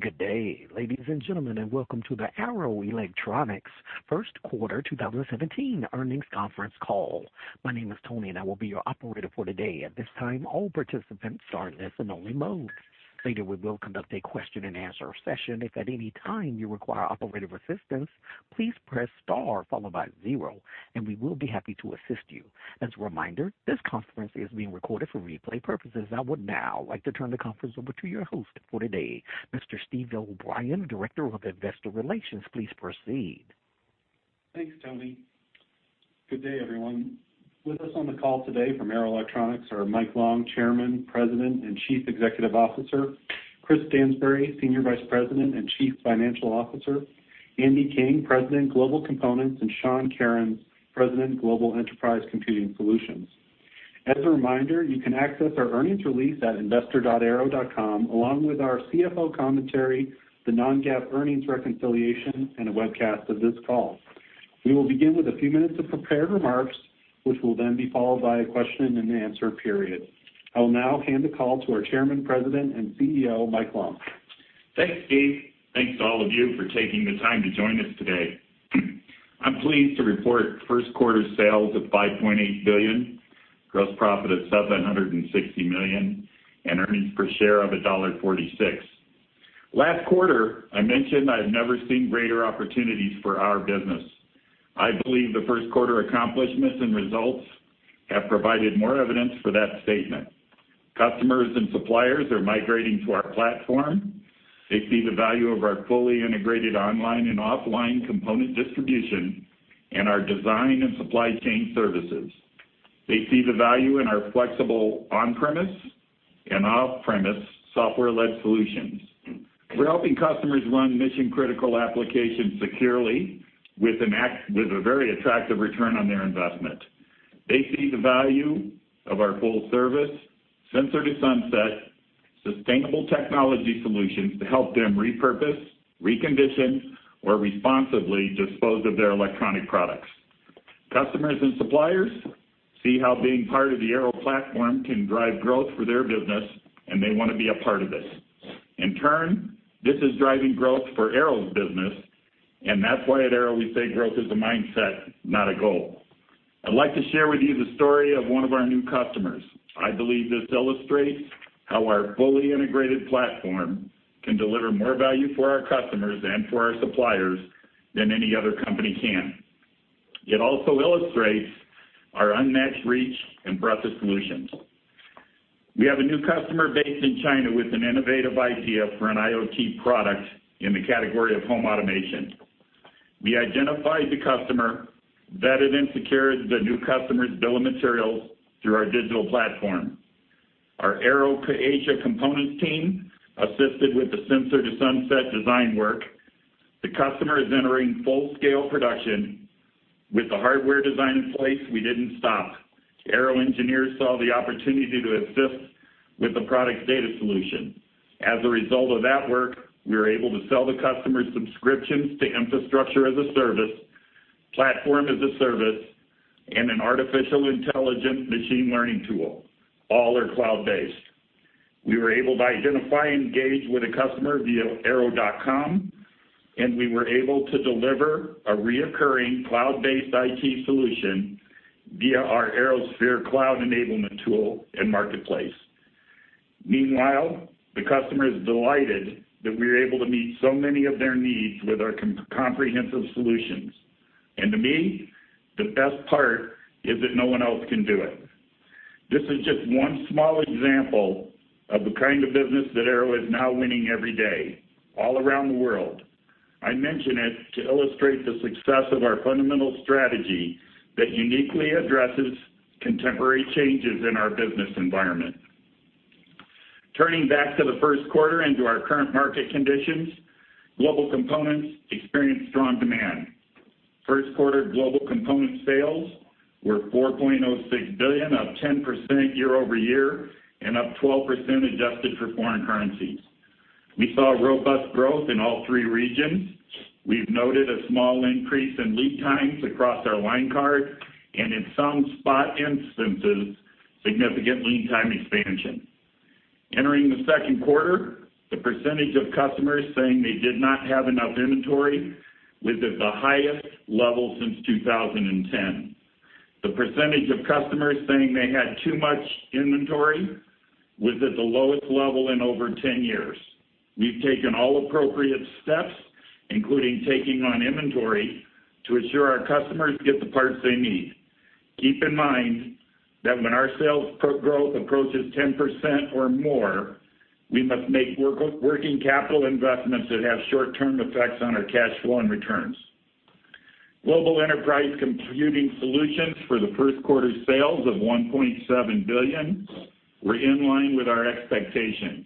Good day, ladies and gentlemen, and welcome to the Arrow Electronics First Quarter 2017 Earnings Conference Call. My name is Tony, and I will be your operator for today. At this time, all participants are in listen-only mode. Later, we will conduct a question-and-answer session. If at any time you require operator assistance, please press star followed by zero, and we will be happy to assist you. As a reminder, this conference is being recorded for replay purposes. I would now like to turn the conference over to your host for today, Mr. Steve O'Brien, Director of Investor Relations. Please proceed. Thanks, Tony. Good day, everyone. With us on the call today from Arrow Electronics are Mike Long, Chairman, President, and Chief Executive Officer, Chris Stansbury, Senior Vice President and Chief Financial Officer, Andy King, President, Global Components, and Sean Kerins, President, Global Enterprise Computing Solutions. As a reminder, you can access our earnings release at investor.arrow.com, along with our CFO commentary, the non-GAAP earnings reconciliation, and a webcast of this call. We will begin with a few minutes of prepared remarks, which will then be followed by a question-and-answer period. I will now hand the call to our Chairman, President, and CEO, Mike Long. Thanks, Steve. Thanks to all of you for taking the time to join us today. I'm pleased to report first quarter sales of $5.8 billion, gross profit of $760 million, and earnings per share of $1.46. Last quarter, I mentioned I have never seen greater opportunities for our business. I believe the first quarter accomplishments and results have provided more evidence for that statement. Customers and suppliers are migrating to our platform. They see the value of our fully integrated online and offline component distribution and our design and supply chain services. They see the value in our flexible on-premise and off-premise software-led solutions. We're helping customers run mission-critical applications securely with a very attractive return on their investment. They see the value of our full service, Sensor-to-Sunset, sustainable technology solutions to help them repurpose, recondition, or responsibly dispose of their electronic products. Customers and suppliers see how being part of the Arrow platform can drive growth for their business, and they want to be a part of this. In turn, this is driving growth for Arrow's business, and that's why at Arrow, we say growth is a mindset, not a goal. I'd like to share with you the story of one of our new customers. I believe this illustrates how our fully integrated platform can deliver more value for our customers and for our suppliers than any other company can. It also illustrates our unmatched reach and breadth of solutions. We have a new customer based in China with an innovative idea for an IoT product in the category of home automation. We identified the customer, vetted and secured the new customer's bill of materials through our digital platform. Our Arrow Asia Components team assisted with the Sensor-to-Sunset design work. The customer is entering full-scale production. With the hardware design in place, we didn't stop. Arrow engineers saw the opportunity to assist with the product's data solution. As a result of that work, we were able to sell the customer subscriptions to Infrastructure as a Service, Platform as a Service, and an artificial intelligence machine learning tool. All are cloud-based. We were able to identify and engage with a customer via arrow.com, and we were able to deliver a recurring cloud-based IT solution via our ArrowSphere cloud enablement tool and marketplace. Meanwhile, the customer is delighted that we are able to meet so many of their needs with our comprehensive solutions. To me, the best part is that no one else can do it. This is just one small example of the kind of business that Arrow is now winning every day, all around the world. I mention it to illustrate the success of our fundamental strategy that uniquely addresses contemporary changes in our business environment. Turning back to the first quarter and to our current market conditions, Global Components experienced strong demand. First quarter Global Components sales were $4.06 billion, up 10% year-over-year and up 12% adjusted for foreign currencies. We saw robust growth in all three regions. We've noted a small increase in lead times across our line card, and in some spot instances, significant lead time expansion. Entering the second quarter, the percentage of customers saying they did not have enough inventory was at the highest level since 2010. The percentage of customers saying they had too much inventory was at the lowest level in over 10 years. We've taken all appropriate steps, including taking on inventory, to ensure our customers get the parts they need. Keep in mind that when our sales per growth approaches 10% or more, we must make working capital investments that have short-term effects on our cash flow and returns. Global Enterprise Computing Solutions for the first quarter sales of $1.7 billion were in line with our expectations.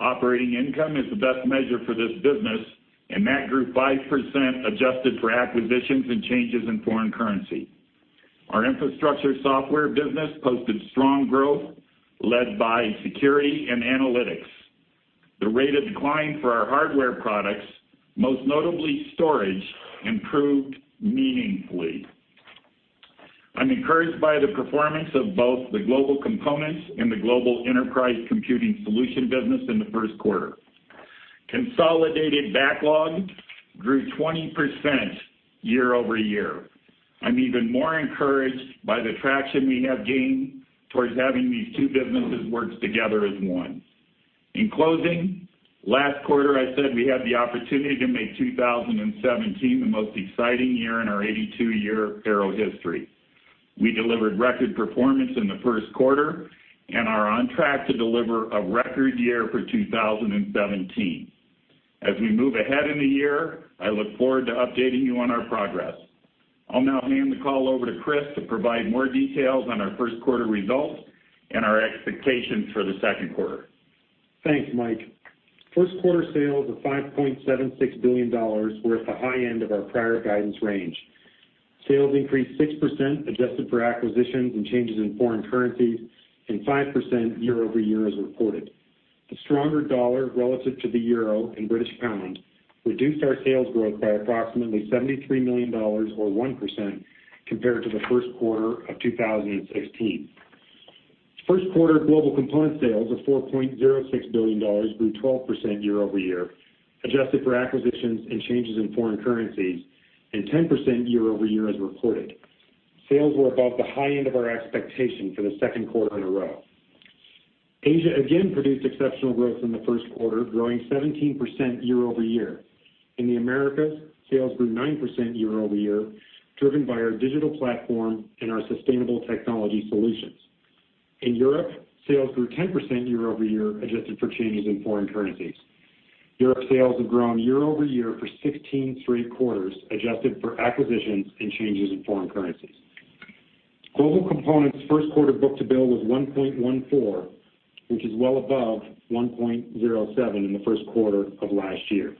Operating income is the best measure for this business, and that grew 5%, adjusted for acquisitions and changes in foreign currency. Our infrastructure software business posted strong growth, led by security and analytics. The rate of decline for our hardware products, most notably storage, improved meaningfully. I'm encouraged by the performance of both the Global Components and the Global Enterprise Computing Solutions business in the first quarter. Consolidated backlog grew 20% year-over-year. I'm even more encouraged by the traction we have gained towards having these two businesses work together as one. In closing, last quarter, I said we had the opportunity to make 2017 the most exciting year in our 82-year Arrow history. We delivered record performance in the first quarter and are on track to deliver a record year for 2017. As we move ahead in the year, I look forward to updating you on our progress. I'll now hand the call over to Chris to provide more details on our first quarter results and our expectations for the second quarter. Thanks, Mike. First quarter sales of $5.76 billion were at the high end of our prior guidance range. Sales increased 6% adjusted for acquisitions and changes in foreign currencies, and 5% year-over-year as reported. The stronger dollar relative to the euro and British pound reduced our sales growth by approximately $73 million or 1% compared to the first quarter of 2016. First quarter Global Components sales of $4.06 billion grew 12% year-over-year, adjusted for acquisitions and changes in foreign currencies, and 10% year-over-year as reported. Sales were above the high end of our expectation for the second quarter in a row. Asia again produced exceptional growth in the first quarter, growing 17% year-over-year. In the Americas, sales grew 9% year-over-year, driven by our digital platform and our sustainable technology solutions. In Europe, sales grew 10% year-over-year, adjusted for changes in foreign currencies. Europe sales have grown year-over-year for 16 straight quarters, adjusted for acquisitions and changes in foreign currencies. Global Components first quarter book-to-bill was 1.14, which is well above 1.07 in the first quarter of last year.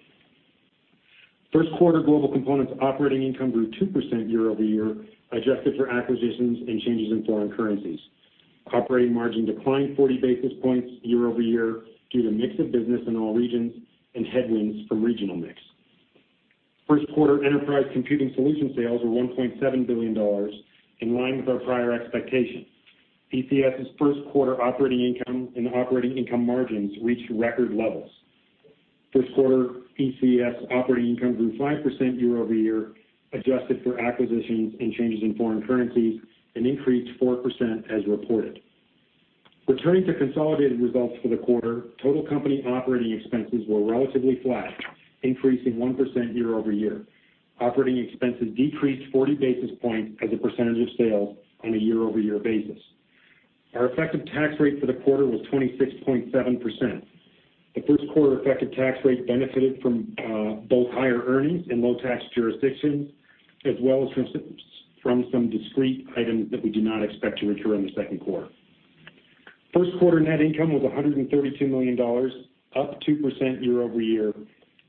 First quarter Global Components operating income grew 2% year-over-year, adjusted for acquisitions and changes in foreign currencies. Operating margin declined 40 basis points year-over-year due to mix of business in all regions and headwinds from regional mix. First quarter enterprise computing solution sales were $1.7 billion, in line with our prior expectations. ECS's first quarter operating income and operating income margins reached record levels. First quarter ECS operating income grew 5% year-over-year, adjusted for acquisitions and changes in foreign currencies, and increased 4% as reported. Returning to consolidated results for the quarter, total company operating expenses were relatively flat, increasing 1% year-over-year. Operating expenses decreased 40 basis points as a percentage of sales on a year-over-year basis. Our effective tax rate for the quarter was 26.7%. The first quarter effective tax rate benefited from both higher earnings and low tax jurisdictions, as well as from some discrete items that we do not expect to recur in the second quarter. First quarter net income was $132 million, up 2% year-over-year,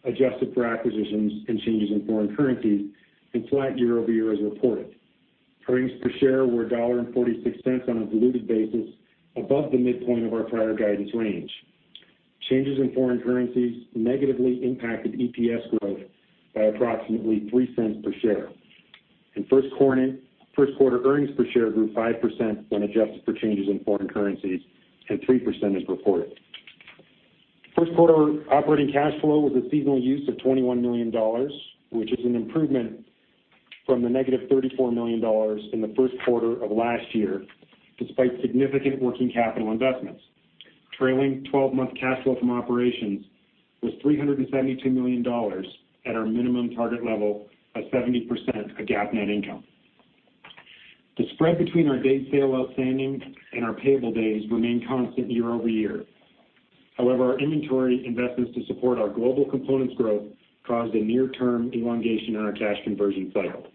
adjusted for acquisitions and changes in foreign currency, and flat year-over-year as reported. Earnings per share were $1.46 on a diluted basis, above the midpoint of our prior guidance range. Changes in foreign currencies negatively impacted EPS growth by approximately $0.03 per share, and first quarter earnings per share grew 5% when adjusted for changes in foreign currencies and 3% as reported. First quarter operating cash flow was a seasonal use of $21 million, which is an improvement from the -$34 million in the first quarter of last year, despite significant working capital investments. Trailing 12-month cash flow from operations was $372 million at our minimum target level of 70% of GAAP net income. The spread between our Days Sales Outstanding and our payable days remained constant year-over-year. However, our inventory investments to support our Global Components growth caused a near-term elongation in our cash conversion cycle.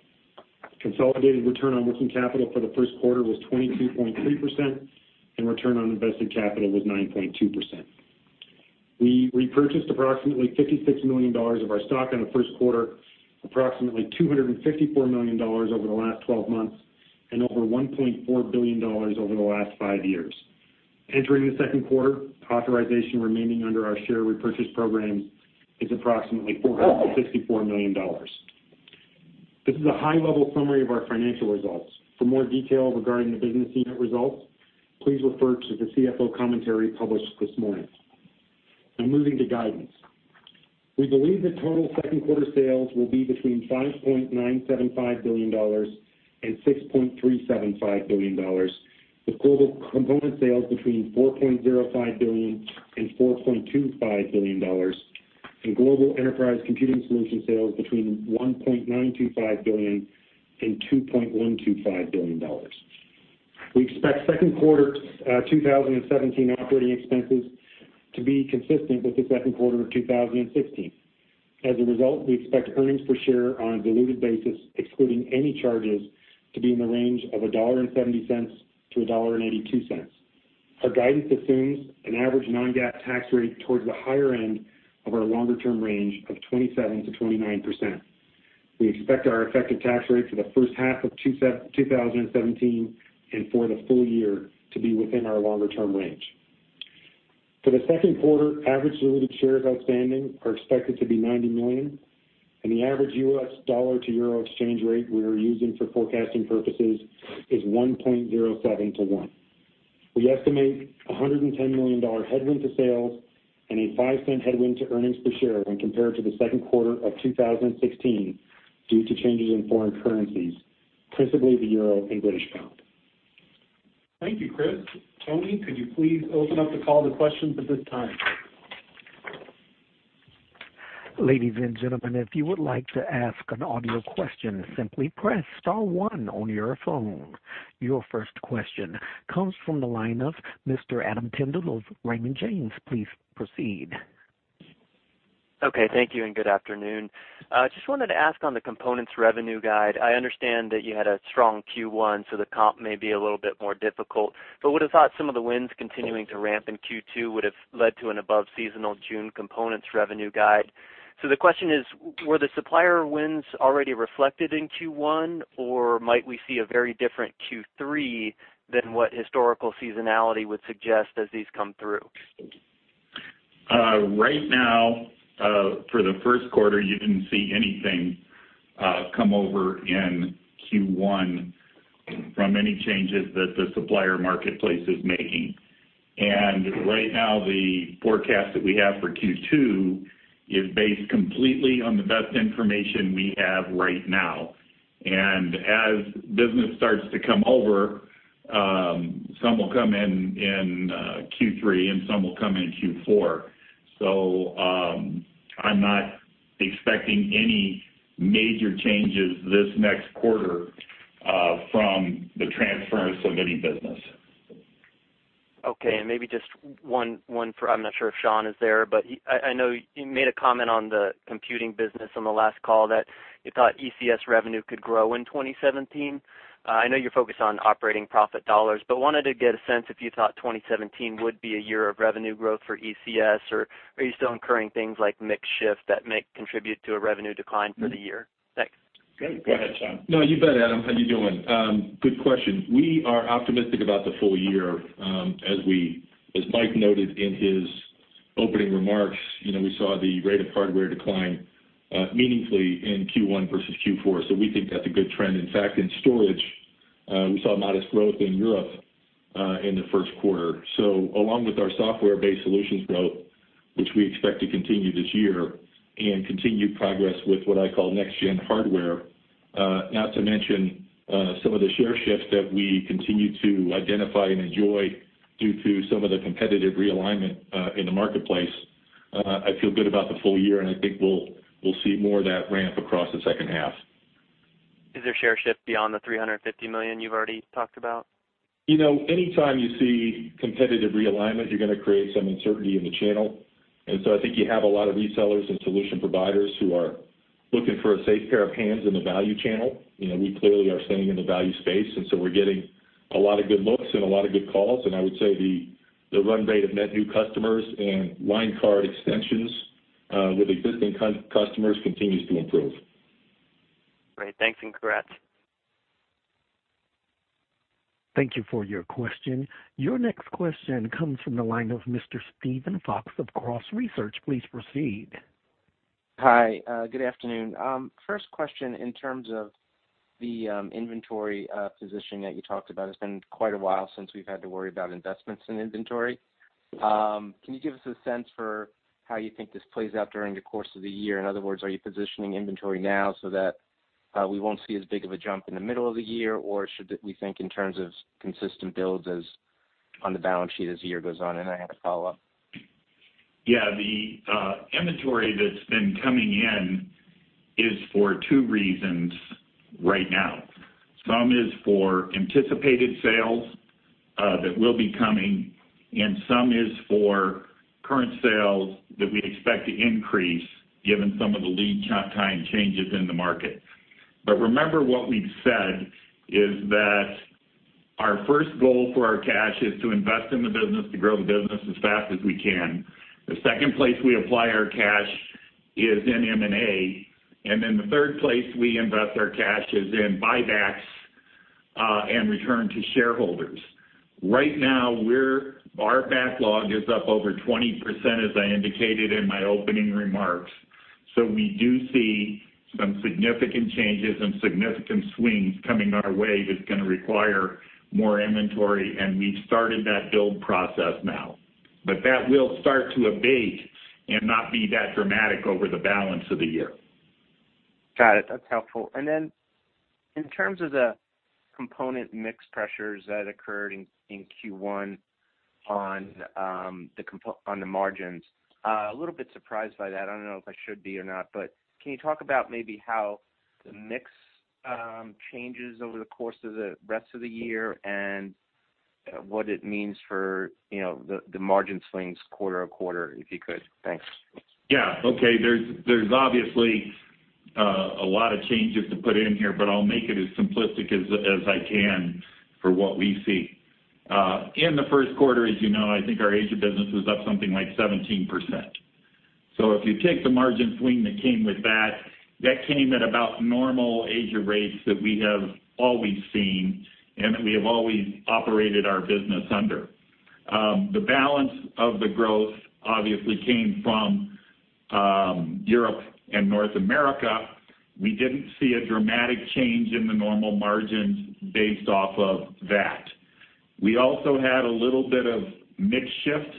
Consolidated Return on Working Capital for the first quarter was 22.3%, and Return on Invested Capital was 9.2%. We repurchased approximately $56 million of our stock in the first quarter, approximately $254 million over the last 12 months, and over $1.4 billion over the last five years. Entering the second quarter, authorization remaining under our share repurchase program is approximately $454 million. This is a high-level summary of our financial results. For more details regarding the business unit results, please refer to the CFO commentary published this morning. Now moving to guidance. We believe that total second quarter sales will be between $5.975 billion and $6.375 billion, with Global Components sales between $4.05 billion and $4.25 billion, and Global Enterprise Computing Solutions sales between $1.925 billion and $2.125 billion. We expect second quarter 2017 operating expenses to be consistent with the second quarter of 2016. As a result, we expect earnings per share on a diluted basis, excluding any charges, to be in the range of $1.70-$1.82. Our guidance assumes an average non-GAAP tax rate towards the higher end of our longer-term range of 27%-29%. We expect our effective tax rate for the first half of 2017 and for the full year to be within our longer-term range. For the second quarter, average diluted shares outstanding are expected to be 90 million, and the average U.S. dollar to euro exchange rate we are using for forecasting purposes is 1.07 to 1. We estimate a $110 million headwind to sales and a $0.05 headwind to earnings per share when compared to the second quarter of 2016 due to changes in foreign currencies, principally the euro and British pound. Thank you, Chris. Tony, could you please open up the call to questions at this time? Ladies and gentlemen, if you would like to ask an audio question, simply press star one on your phone. Your first question comes from the line of Mr. Adam Tindle of Raymond James. Please proceed. Okay, thank you and good afternoon. Just wanted to ask on the components revenue guide. I understand that you had a strong Q1, so the comp may be a little bit more difficult, but would have thought some of the wins continuing to ramp in Q2 would have led to an above-seasonal June components revenue guide. So the question is: Were the supplier wins already reflected in Q1, or might we see a very different Q3 than what historical seasonality would suggest as these come through? Right now, for the first quarter, you didn't see anything come over in Q1 from any changes that the supplier marketplace is making. And right now, the forecast that we have for Q2 is based completely on the best information we have right now. And as business starts to come over, some will come in Q3, and some will come in Q4. So, I'm not expecting any major changes this next quarter from the transference of any business. Okay. And maybe just one for—I'm not sure if Sean is there, but he—I know you made a comment on the computing business on the last call, that you thought ECS revenue could grow in 2017. I know you're focused on operating profit dollars, but wanted to get a sense if you thought 2017 would be a year of revenue growth for ECS, or are you still incurring things like mix shift that might contribute to a revenue decline for the year? Thanks. Go ahead, Sean. No, you bet, Adam. How you doing? Good question. We are optimistic about the full year, as Mike noted in his opening remarks, you know, we saw the rate of hardware decline meaningfully in Q1 versus Q4, so we think that's a good trend. In fact, in storage, we saw modest growth in Europe in the first quarter. So along with our software-based solutions growth, which we expect to continue this year, and continued progress with what I call next gen hardware, not to mention some of the share shifts that we continue to identify and enjoy due to some of the competitive realignment in the marketplace, I feel good about the full year, and I think we'll see more of that ramp across the second half. Is there share shift beyond the $350 million you've already talked about? You know, anytime you see competitive realignment, you're gonna create some uncertainty in the channel. And so I think you have a lot of resellers and solution providers who are looking for a safe pair of hands in the value channel. You know, we clearly are staying in the value space, and so we're getting a lot of good looks and a lot of good calls. And I would say the run rate of net new customers and line card extensions with existing customers continues to improve. Great. Thanks, and congrats. Thank you for your question. Your next question comes from the line of Mr. Steven Fox of Cross Research. Please proceed. Hi, good afternoon. First question, in terms of the inventory position that you talked about, it's been quite a while since we've had to worry about investments in inventory. Can you give us a sense for how you think this plays out during the course of the year? In other words, are you positioning inventory now so that we won't see as big of a jump in the middle of the year, or should we think in terms of consistent builds as on the balance sheet as the year goes on? And I have a follow-up. Yeah, the inventory that's been coming in is for two reasons right now. Some is for anticipated sales that will be coming, and some is for current sales that we expect to increase given some of the lead time changes in the market. But remember, what we've said is that our first goal for our cash is to invest in the business, to grow the business as fast as we can. The second place we apply our cash is in M&A, and then the third place we invest our cash is in buybacks and return to shareholders. Right now, our backlog is up over 20%, as I indicated in my opening remarks. So we do see some significant changes and significant swings coming our way that's gonna require more inventory, and we've started that build process now. But that will start to abate and not be that dramatic over the balance of the year. Got it. That's helpful. Then in terms of the component mix pressures that occurred in Q1 on the margins, a little bit surprised by that. I don't know if I should be or not. But can you talk about maybe how the mix changes over the course of the rest of the year and what it means for, you know, the margin swings quarter on quarter, if you could? Thanks. Yeah. Okay, there's obviously a lot of changes to put in here, but I'll make it as simplistic as I can for what we see. In the first quarter, as you know, I think our Asia business was up something like 17%. So if you take the margin swing that came with that, that came at about normal Asia rates that we have always seen and that we have always operated our business under. The balance of the growth obviously came from Europe and North America. We didn't see a dramatic change in the normal margins based off of that. We also had a little bit of mix shift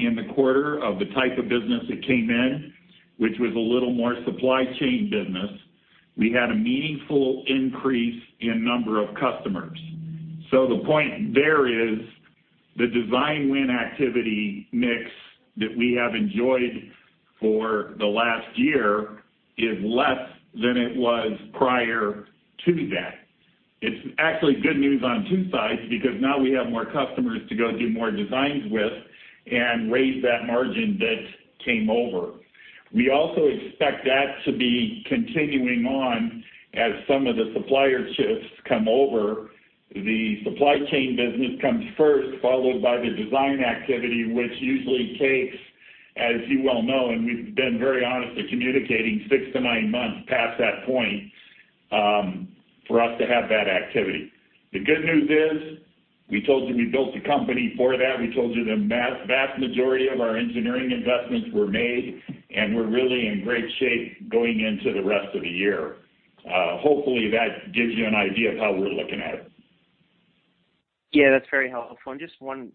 in the quarter of the type of business that came in, which was a little more supply chain business. We had a meaningful increase in number of customers. So the point there is, the design win activity mix that we have enjoyed for the last year is less than it was prior to that. It's actually good news on two sides because now we have more customers to go do more designs with and raise that margin that came over. We also expect that to be continuing on as some of the supplier shifts come over. The supply chain business comes first, followed by the design activity, which usually takes, as you well know, and we've been very honest in communicating, six-nine months past that point, for us to have that activity. The good news is, we told you we built the company for that. We told you the vast, vast majority of our engineering investments were made, and we're really in great shape going into the rest of the year. Hopefully, that gives you an idea of how we're looking at it. Yeah, that's very helpful. And just one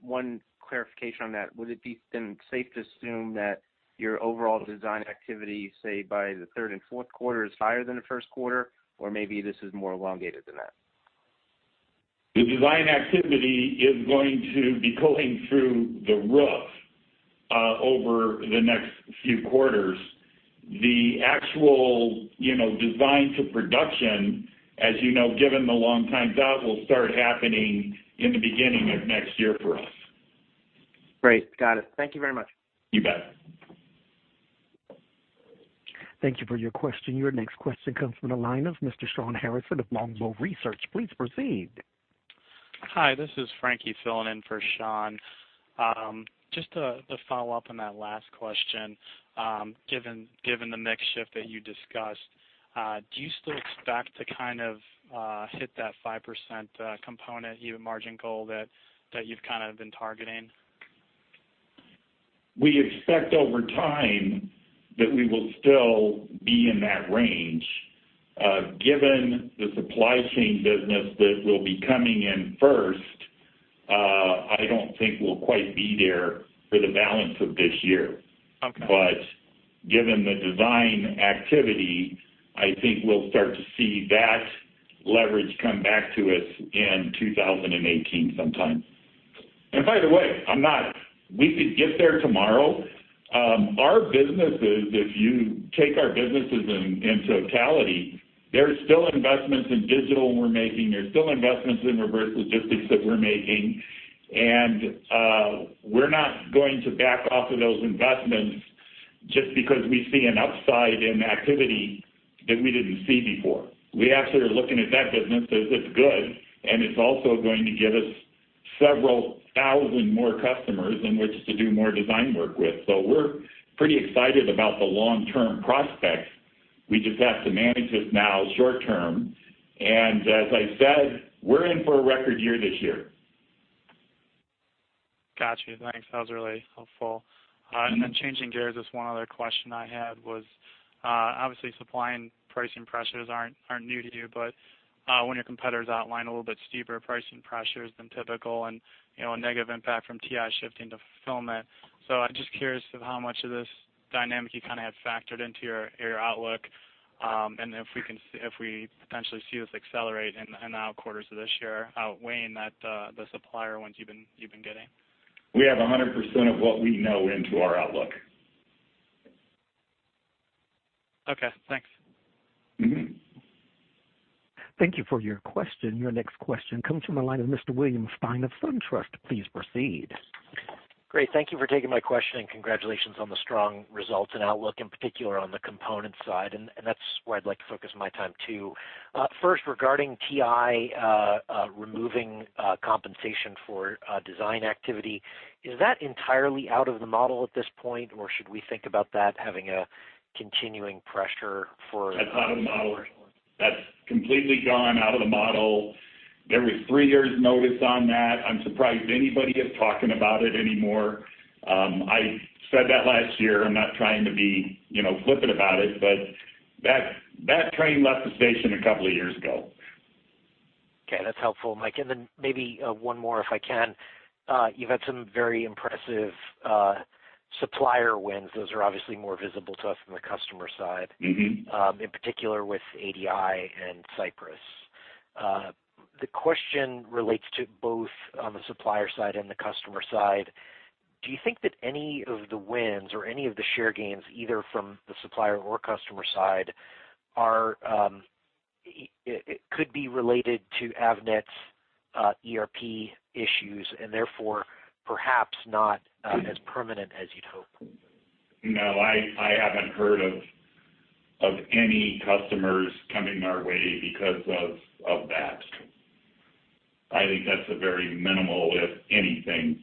clarification on that. Would it be then safe to assume that your overall design activity, say, by the third and fourth quarter, is higher than the first quarter, or maybe this is more elongated than that? The design activity is going to be going through the roof, over the next few quarters. The actual, you know, design to production, as you know, given the long times out, will start happening in the beginning of next year for us. Great. Got it. Thank you very much. You bet. Thank you for your question. Your next question comes from the line of Mr. Shawn Harrison of Longbow Research. Please proceed. Hi, this is Frankie filling in for Shawn. Just to follow up on that last question, given the mix shift that you discussed, do you still expect to kind of hit that 5% component year margin goal that you've kind of been targeting? We expect over time that we will still be in that range. Given the supply chain business that will be coming in first, I don't think we'll quite be there for the balance of this year. But given the design activity, I think we'll start to see that leverage come back to us in 2018 sometime. And by the way, I'm not—we could get there tomorrow. Our businesses, if you take our businesses in, in totality, there's still investments in digital we're making, there's still investments in reverse logistics that we're making, and, we're not going to back off of those investments just because we see an upside in activity that we didn't see before. We actually are looking at that business as it's good, and it's also going to give us several thousand more customers in which to do more design work with. So we're pretty excited about the long-term prospects. We just have to manage it now short term, and as I said, we're in for a record year this year. Got you. Thanks. That was really helpful. And then changing gears, just one other question I had was, obviously, supply and pricing pressures aren't new to you, but one of your competitors outlined a little bit steeper pricing pressures than typical and, you know, a negative impact from TI shifting to fulfillment. So I'm just curious of how much of this dynamic you kind of have factored into your outlook, and if we potentially see this accelerate in the out quarters of this year, outweighing that, the supplier ones you've been getting. We have 100% of what we know into our outlook. Okay, thanks. Thank you for your question. Your next question comes from the line of Mr. William Stein of SunTrust. Please proceed. Great. Thank you for taking my question, and congratulations on the strong results and outlook, in particular on the component side, and, and that's where I'd like to focus my time, too. First, regarding TI, removing compensation for design activity, is that entirely out of the model at this point, or should we think about that having a continuing pressure for- That's out of the model. That's completely gone out of the model. There was three years' notice on that. I'm surprised anybody is talking about it anymore. I said that last year. I'm not trying to be, you know, flippant about it, but that, that train left the station a couple of years ago. Okay, that's helpful, Mike. And then maybe, one more, if I can. You've had some very impressive, supplier wins. Those are obviously more visible to us from the customer side- Mm-hmm... in particular with ADI and Cypress. The question relates to both on the supplier side and the customer side. Do you think that any of the wins or any of the share gains, either from the supplier or customer side, are it could be related to Avnet's ERP issues, and therefore, perhaps not as permanent as you'd hope? No, I haven't heard of any customers coming our way because of that. I think that's a very minimal, if anything,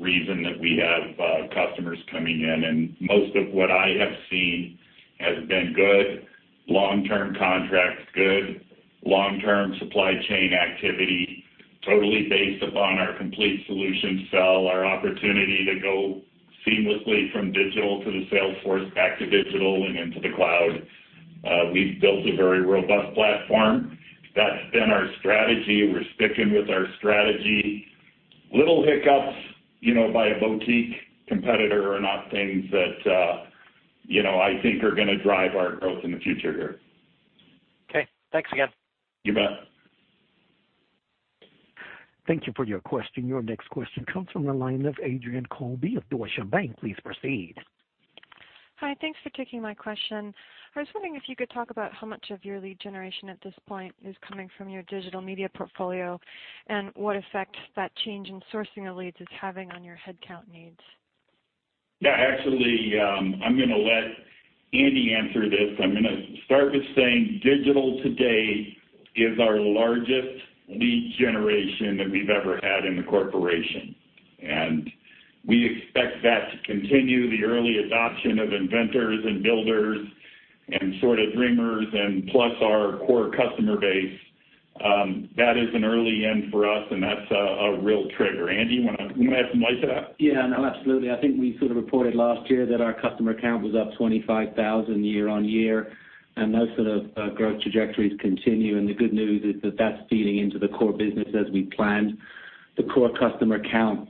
reason that we have customers coming in, and most of what I have seen has been good long-term contracts, good long-term supply chain activity, totally based upon our complete solution sell, our opportunity to go seamlessly from digital to the sales force, back to digital and into the cloud. We've built a very robust platform. That's been our strategy. We're sticking with our strategy. Little hiccups, you know, by a boutique competitor are not things that, you know, I think are gonna drive our growth in the future here. Okay, thanks again. You bet. Thank you for your question. Your next question comes from the line of Adrienne Colby of Deutsche Bank. Please proceed. Hi, thanks for taking my question. I was wondering if you could talk about how much of your lead generation at this point is coming from your digital media portfolio, and what effect that change in sourcing of leads is having on your headcount needs? Yeah, actually, I'm gonna let Andy answer this. I'm gonna start with saying, digital today is our largest lead generation that we've ever had in the corporation, and we expect that to continue. The early adoption of inventors and builders and sort of dreamers and plus our core customer base, that is an early end for us, and that's a real trigger. Andy, you wanna add some light to that? Yeah, no, absolutely. I think we sort of reported last year that our customer count was up 25,000 year-over-year, and those sort of growth trajectories continue, and the good news is that that's feeding into the core business as we planned. The core customer count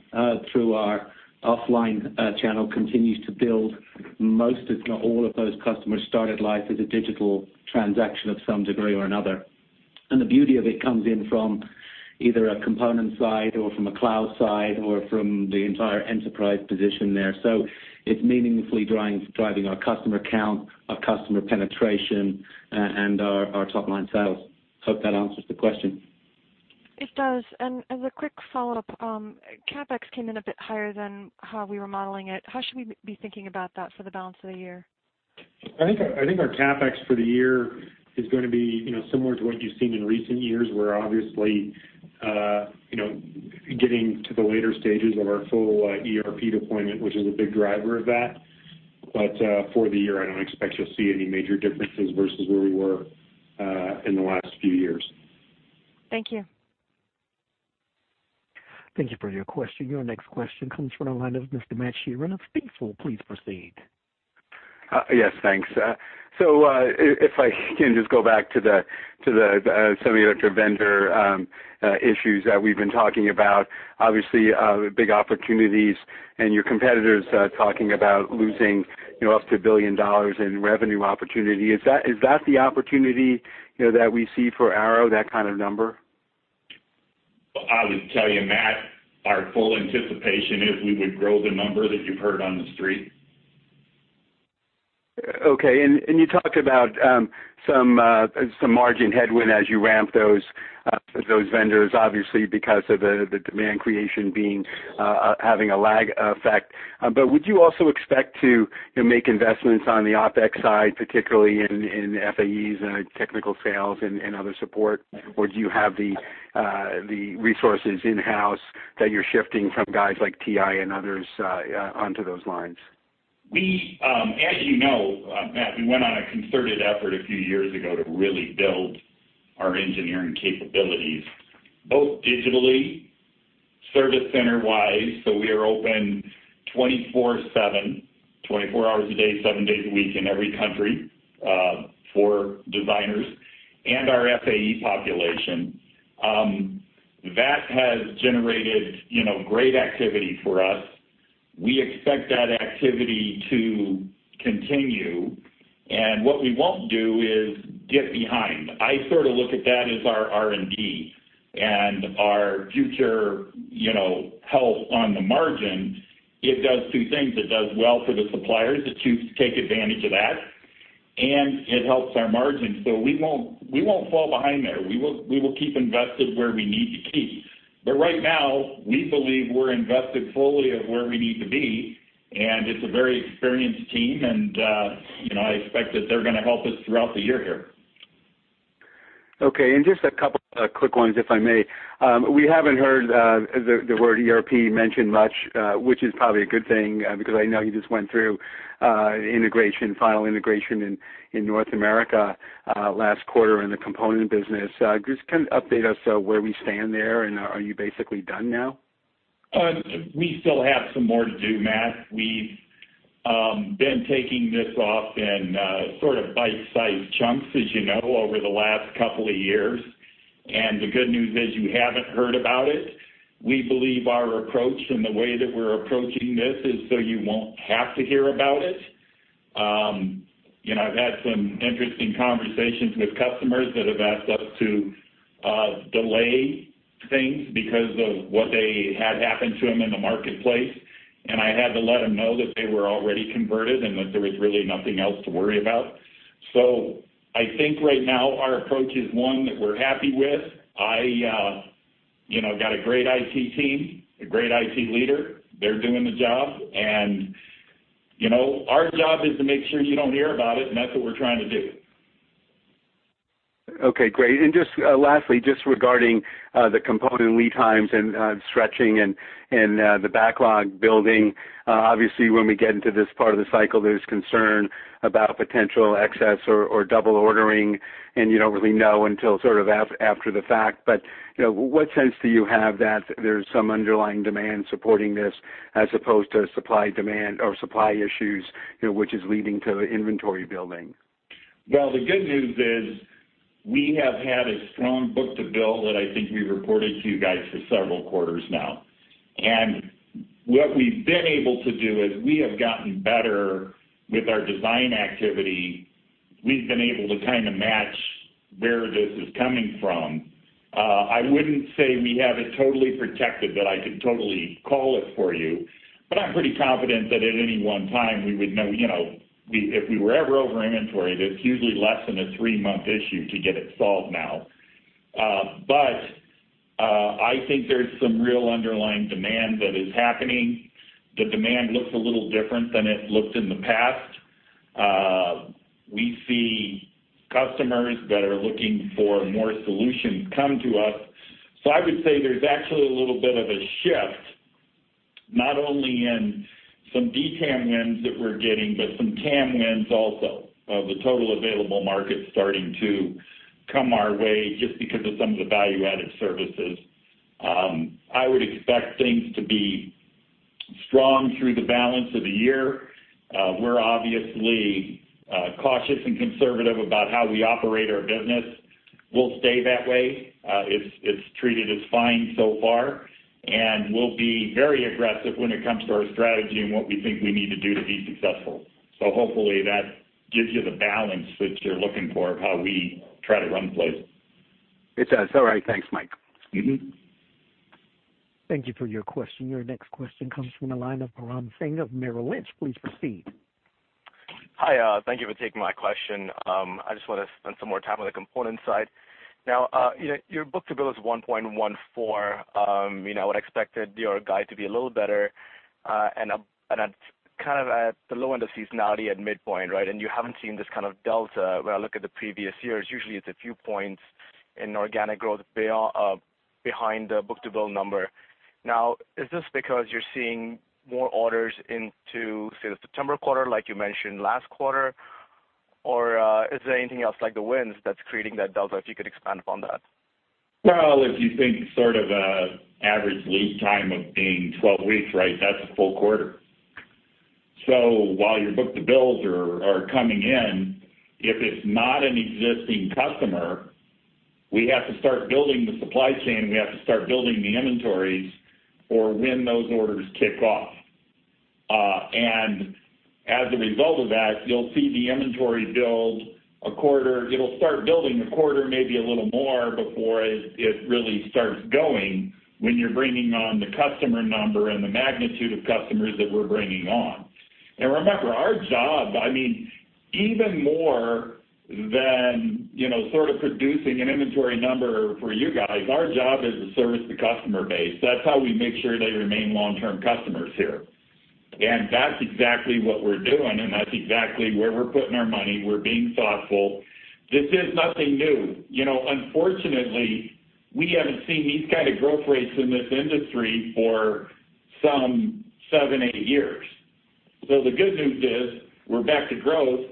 through our offline channel continues to build. Most, if not all of those customers, started life as a digital transaction of some degree or another. And the beauty of it comes in from either a component side or from a cloud side or from the entire enterprise position there. So it's meaningfully driving our customer count, our customer penetration, and our top line sales. Hope that answers the question. It does. And as a quick follow-up, CapEx came in a bit higher than how we were modeling it. How should we be thinking about that for the balance of the year? I think, I think our CapEx for the year is gonna be, you know, similar to what you've seen in recent years, where obviously, you know, getting to the later stages of our full, ERP deployment, which is a big driver of that. But, for the year, I don't expect you'll see any major differences versus where we were, in the last few years. Thank you. Thank you for your question. Your next question comes from the line of Mr. Matt Sheerin of Stifel. Please proceed. Yes, thanks. So, if I can just go back to the semiconductor vendor issues that we've been talking about, obviously, big opportunities and your competitors talking about losing, you know, up to $1 billion in revenue opportunity. Is that the opportunity, you know, that we see for Arrow, that kind of number? I would tell you, Matt, our full anticipation is we would grow the number that you've heard on the street. Okay. And you talked about some margin headwind as you ramp those vendors, obviously, because of the demand creation being having a lag effect. But would you also expect to, you know, make investments on the OpEx side, particularly in FAEs and technical sales and other support? Or do you have the resources in-house that you're shifting from guys like TI and others onto those lines? We, as you know, Matt, we went on a concerted effort a few years ago to really build our engineering capabilities, both digitally, service center-wise, so we are open 24/7, 24 hours a day, seven days a week in every country, for designers and our FAE population. That has generated, you know, great activity for us. We expect that activity to continue, and what we won't do is get behind. I sort of look at that as our R&D and our future, you know, health on the margin. It does two things: It does well for the suppliers to take advantage of that, and it helps our margins. So we won't, we won't fall behind there. We will, we will keep invested where we need to keep. But right now, we believe we're invested fully at where we need to be, and it's a very experienced team, and, you know, I expect that they're gonna help us throughout the year here. Okay, and just a couple of quick ones, if I may. We haven't heard the word ERP mentioned much, which is probably a good thing, because I know you just went through integration, final integration in North America last quarter in the component business. Just kind of update us on where we stand there, and are you basically done now? We still have some more to do, Matt. We've been taking this off in sort of bite-sized chunks, as you know, over the last couple of years, and the good news is you haven't heard about it. We believe our approach and the way that we're approaching this is so you won't have to hear about it. You know, I've had some interesting conversations with customers that have asked us to delay things because of what they had happened to them in the marketplace, and I had to let them know that they were already converted and that there was really nothing else to worry about. So I think right now, our approach is one that we're happy with. I, you know, got a great IT team, a great IT leader. They're doing the job, and, you know, our job is to make sure you don't hear about it, and that's what we're trying to do. Okay, great. And just lastly, just regarding the component lead times and stretching and the backlog building, obviously, when we get into this part of the cycle, there's concern about potential excess or double ordering, and you don't really know until sort of after the fact. But, you know, what sense do you have that there's some underlying demand supporting this, as opposed to supply demand or supply issues, you know, which is leading to inventory building? Well, the good news is we have had a strong book-to-bill that I think we've reported to you guys for several quarters now. What we've been able to do is we have gotten better with our design activity. We've been able to kind of match where this is coming from. I wouldn't say we have it totally protected, that I could totally call it for you, but I'm pretty confident that at any one time, we would know, you know, if we were ever over inventory, that it's usually less than a three-month issue to get it solved now. I think there's some real underlying demand that is happening. The demand looks a little different than it looked in the past. We see customers that are looking for more solutions come to us. So I would say there's actually a little bit of a shift, not only in some DTAM wins that we're getting, but some TAM wins also, of the total available market starting to come our way just because of some of the value-added services. I would expect things to be strong through the balance of the year. We're obviously cautious and conservative about how we operate our business. We'll stay that way. It's treated us fine so far, and we'll be very aggressive when it comes to our strategy and what we think we need to do to be successful. So hopefully that gives you the balance that you're looking for of how we try to run the place. It does. All right. Thanks, Mike. Mm-hmm. Thank you for your question. Your next question comes from the line of Param Singh of Merrill Lynch. Please proceed. Hi, thank you for taking my question. I just want to spend some more time on the component side. Now, you know, your book-to-bill is 1.14. You know, I would expected your guide to be a little better, and at, kind of at the low end of seasonality at midpoint, right? And you haven't seen this kind of delta. When I look at the previous years, usually it's a few points in organic growth behind the book-to-bill number. Now, is this because you're seeing more orders into, say, the September quarter, like you mentioned last quarter? Or, is there anything else like the wins that's creating that delta, if you could expand upon that? Well, if you think sort of an average lead time of being 12 weeks, right, that's a full quarter. So while your book-to-bills are coming in, if it's not an existing customer, we have to start building the supply chain, we have to start building the inventories for when those orders kick off. And as a result of that, you'll see the inventory build a quarter—it'll start building a quarter, maybe a little more, before it really starts going, when you're bringing on the customer number and the magnitude of customers that we're bringing on. And remember, our job, I mean, even more than, you know, sort of producing an inventory number for you guys, our job is to service the customer base. That's how we make sure they remain long-term customers here. And that's exactly what we're doing, and that's exactly where we're putting our money. We're being thoughtful. This is nothing new. You know, unfortunately, we haven't seen these kind of growth rates in this industry for some seven-eight years. So the good news is we're back to growth.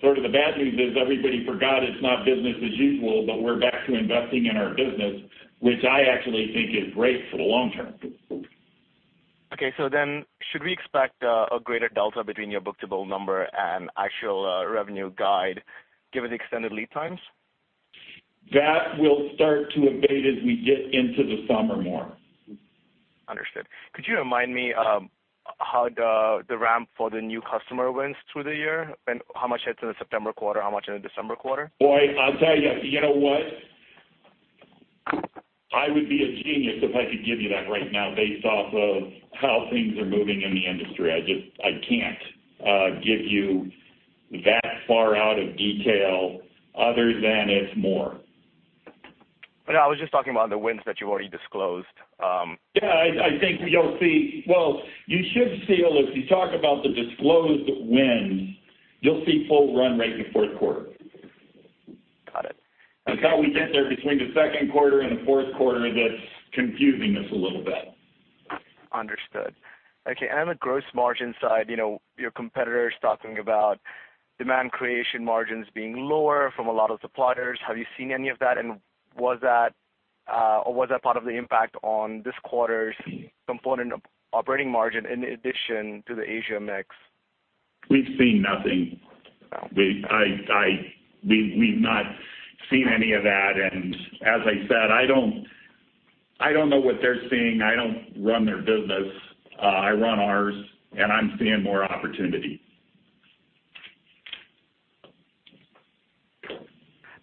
Sort of the bad news is everybody forgot it's not business as usual, but we're back to investing in our business, which I actually think is great for the long term. Okay, so then should we expect a greater delta between your book-to-bill number and actual revenue guide, given the extended lead times? That will start to abate as we get into the summer more. Understood. Could you remind me how the ramp for the new customer wins through the year, and how much hits in the September quarter, how much in the December quarter? Boy, I'll tell you, you know what? I would be a genius if I could give you that right now, based off of how things are moving in the industry. I just can't give you that far out of detail other than it's more. I was just talking about the wins that you've already disclosed. Yeah, I think you'll see... Well, you should see, if you talk about the disclosed wins, you'll see full run rate in the fourth quarter. Got it. It's how we get there between the second quarter and the fourth quarter that's confusing us a little bit. Understood. Okay, and on the gross margin side, you know, your competitor's talking about demand creation margins being lower from a lot of suppliers. Have you seen any of that, and was that, or was that part of the impact on this quarter's component operating margin in addition to the Asia mix? We've seen nothing. We've not seen any of that. And as I said, I don't know what they're seeing. I don't run their business. I run ours, and I'm seeing more opportunity.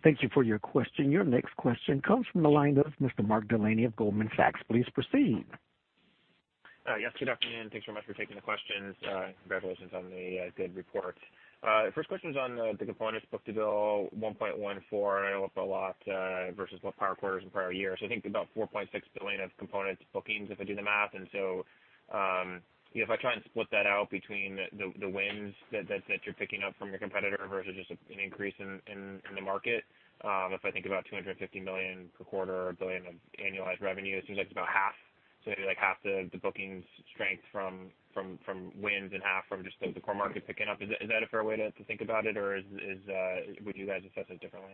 Thank you for your question. Your next question comes from the line of Mr. Mark Delaney of Goldman Sachs. Please proceed. Yes, good afternoon. Thanks so much for taking the questions. Congratulations on the good report. First question is on the components book-to-bill, 1.14, up a lot versus what prior quarters and prior year. So I think about $4.6 billion of components bookings, if I do the math. And so, if I try and split that out between the wins that you're picking up from your competitor versus just an increase in the market, if I think about $250 million per quarter, $1 billion of annualized revenue, it seems like about half, so maybe like half the bookings strength from wins and half from just the core market picking up. Is that a fair way to think about it, or would you guys assess it differently?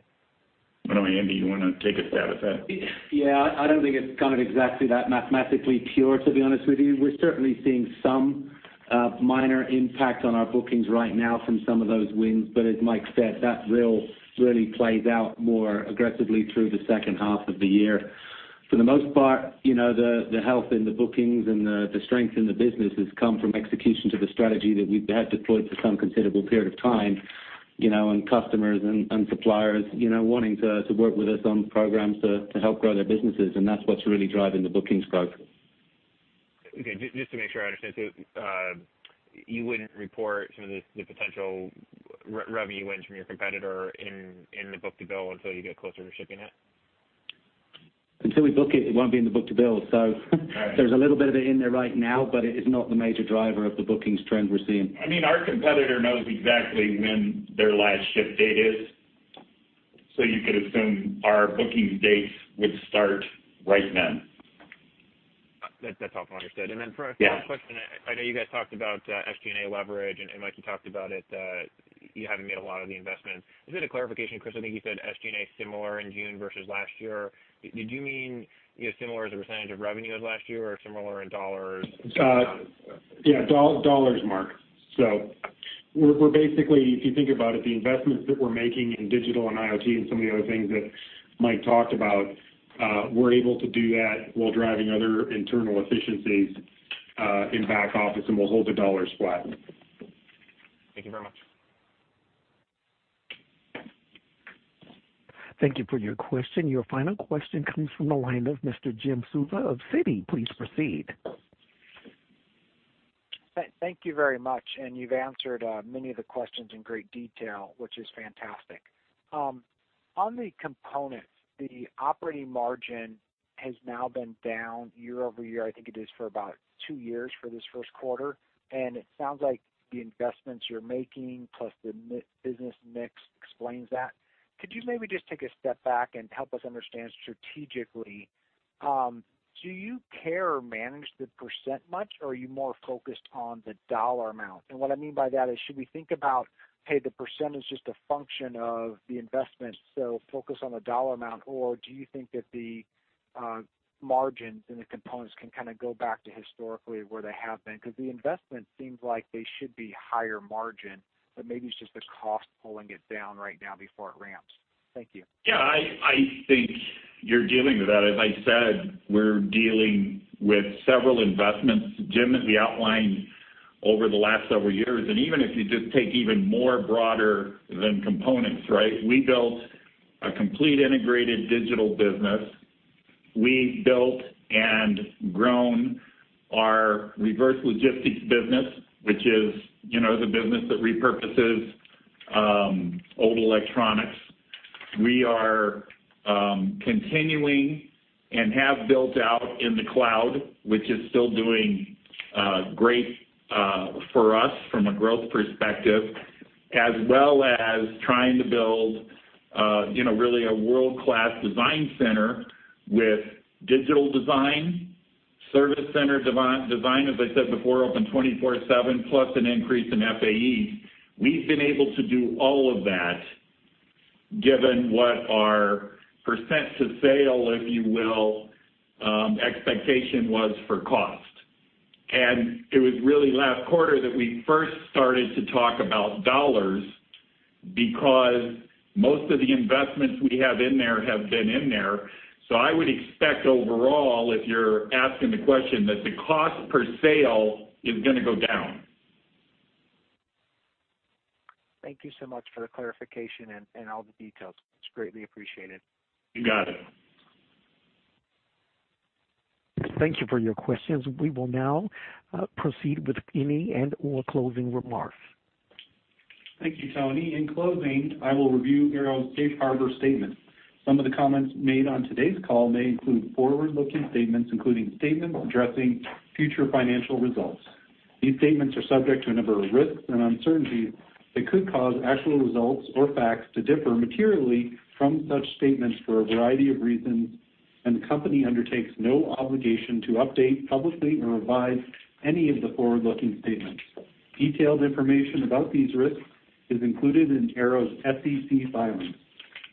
I don't know, Andy, you wanna take a stab at that? Yeah, I don't think it's kind of exactly that mathematically pure, to be honest with you. We're certainly seeing some minor impact on our bookings right now from some of those wins, but as Mike said, that really, really plays out more aggressively through the second half of the year. For the most part, you know, the health in the bookings and the strength in the business has come from execution to the strategy that we've had deployed for some considerable period of time. You know, and customers and suppliers, you know, wanting to work with us on programs to help grow their businesses, and that's what's really driving the bookings growth. Okay, just to make sure I understand. So, you wouldn't report some of the potential revenue wins from your competitor in the book-to-bill until you get closer to shipping it? Until we book it, it won't be in the book-to-bill. So, All right. There's a little bit of it in there right now, but it is not the major driver of the bookings trend we're seeing. I mean, our competitor knows exactly when their last ship date is, so you could assume our bookings dates would start right then. That's all understood. Yeah. And then for a final question, I know you guys talked about SG&A leverage, and Mike, you talked about it, you haven't made a lot of the investments. Is it a clarification, Chris? I think you said SG&A similar in June versus last year. Did you mean, you know, similar as a percentage of revenue as last year or similar in dollars? Yeah, dollars, Mark. So we're basically, if you think about it, the investments that we're making in digital and IoT and some of the other things that Mike talked about, we're able to do that while driving other internal efficiencies in back office, and we'll hold the dollars flat. Thank you very much. Thank you for your question. Your final question comes from the line of Mr. Jim Suva of Citi. Please proceed. Thank, thank you very much, and you've answered many of the questions in great detail, which is fantastic. On the components, the operating margin has now been down year-over-year. I think it is for about two years for this first quarter, and it sounds like the investments you're making, plus the niche business mix explains that. Could you maybe just take a step back and help us understand strategically, do you care or manage the percent much, or are you more focused on the dollar amount? And what I mean by that is, should we think about, hey, the percent is just a function of the investment, so focus on the dollar amount, or do you think that the margins and the components can kind of go back to historically where they have been? Because the investment seems like they should be higher margin, but maybe it's just the cost pulling it down right now before it ramps. Thank you. Yeah, I think you're dealing with that. As I said, we're dealing with several investments, Jim, as we outlined over the last several years, and even if you just take even more broader than components, right? We built a complete integrated digital business. We built and grown our reverse logistics business, which is, you know, the business that repurposes old electronics. We are continuing and have built out in the cloud, which is still doing great for us from a growth perspective, as well as trying to build, you know, really a world-class design center with digital design service center design, as I said before, open 24/7, plus an increase in FAE. We've been able to do all of that, given what our percent to sale, if you will, expectation was for cost. It was really last quarter that we first started to talk about dollars because most of the investments we have in there have been in there. I would expect overall, if you're asking the question, that the cost per sale is gonna go down. Thank you so much for the clarification and all the details. It's greatly appreciated. You got it. Thank you for your questions. We will now proceed with any and/or closing remarks. Thank you, Tony. In closing, I will review Arrow's Safe Harbor statement. Some of the comments made on today's call may include forward-looking statements, including statements addressing future financial results. These statements are subject to a number of risks and uncertainties that could cause actual results or facts to differ materially from such statements for a variety of reasons, and the company undertakes no obligation to update publicly or revise any of the forward-looking statements. Detailed information about these risks is included in Arrow's SEC filings.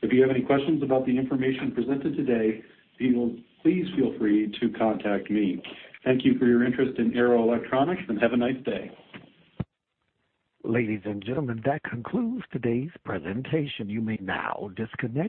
If you have any questions about the information presented today, please feel free to contact me. Thank you for your interest in Arrow Electronics, and have a nice day. Ladies and gentlemen, that concludes today's presentation. You may now disconnect.